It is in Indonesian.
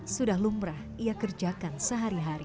sudah lumrah ia kerjakan sehari hari